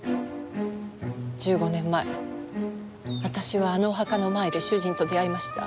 １５年前私はあのお墓の前で主人と出会いました。